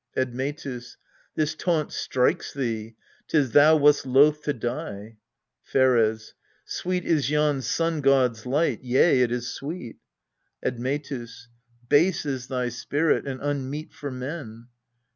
Admetus. This taunt strikes thee 'tis thou wast loath to die. Pheres. Sweet is yon sun god's light, yea, it is sweet. Admetus. Base is thy spirit, and unmeet for men.